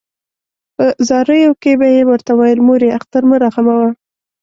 په زاریو کې به یې ورته ویل مورې اختر مه راغموه.